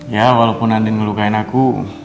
ya walaupun andin ngelukain aku